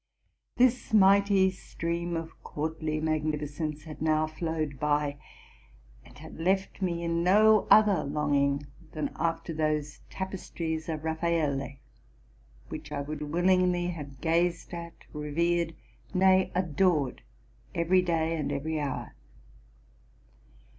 This mighty stream of courtly magnificence had now flowed by, and had left in me no other longing than after those tapestries of Raffaelle, which I would willingly have gazed at, revered, nay, adored, every day and every hour.